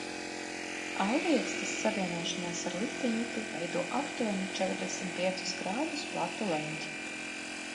Aiviekstes savienošanās ar likteņupi veido aptuveni četrdesmit piecus grādus platu leņķi.